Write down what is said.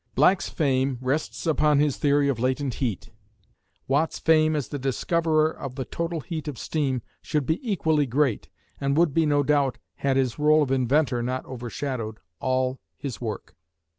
Black's fame rests upon his theory of latent heat; Watt's fame as the discoverer of the total heat of steam should be equally great, and would be no doubt had his rôle of inventor not overshadowed all his work.